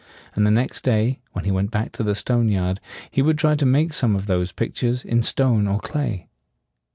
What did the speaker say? And the next day, when he went back to the stone yard, he would try to make some of those pictures in stone or clay.